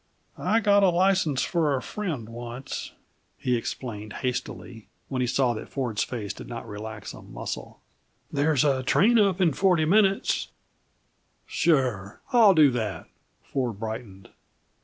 "I got a license for a friend once," he explained hastily, when he saw that Ford's face did not relax a muscle. "There's a train up in forty minutes " "Sure, I'll do that." Ford brightened.